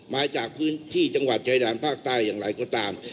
มาจากพื้นที่จังหวัดชายแดนภาคใต้อย่างไรก็ตาม